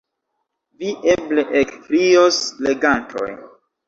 Vi eble ekkrios, legantoj.